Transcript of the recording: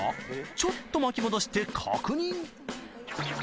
ちょっと巻き戻して確認。